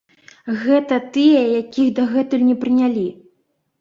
Гэта тыя, якіх дагэтуль не прынялі.